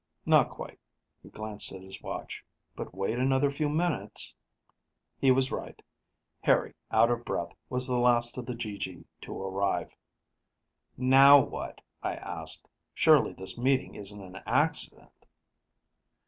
"Not quite," he glanced at his watch, "but wait another few minutes." He was right: Harry, out of breath, was the last of the GG to arrive. "Now what?" I asked. "Surely this meeting isn't an accident?"